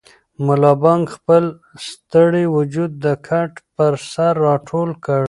ملا بانګ خپل ستړی وجود د کټ پر سر راټول کړ.